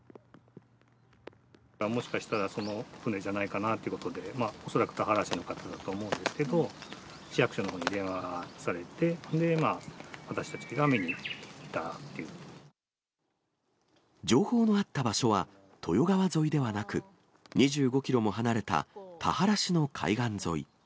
もしかしたらその船じゃないかなということで、恐らく田原市の方だと思うんですけど、市役所のほうに電話されて、情報のあった場所は、豊川沿いではなく、２５キロも離れた田原市の海岸沿い。